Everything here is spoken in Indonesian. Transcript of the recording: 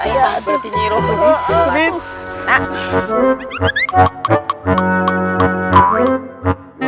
berarti nyi roh ini